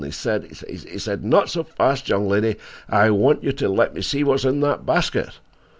He said—he said—'Not so fast, young lady; I want you to let me see what's in that basket.